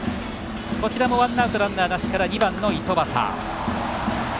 こちらもワンアウトランナーなしから２番の五十幡。